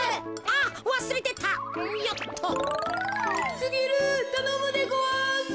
すぎるたのむでごわす。